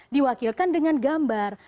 diwakilkan dengan gambar